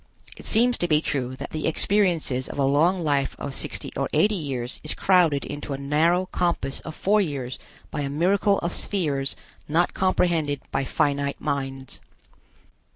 It seems to be true that the experiences of a long life of sixty or eighty years is crowded into a narrow compass of four years by a miracle of spheres not comprehended by finite minds.